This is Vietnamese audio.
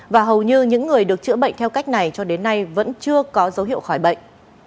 và hầu như những người được chữa bệnh theo cách này cho đến nay vẫn chưa có dấu hiệu khỏi bệnh